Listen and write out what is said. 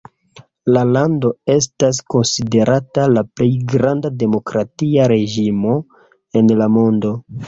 La lando estas konsiderata la plej granda demokratia reĝimo en la mondo.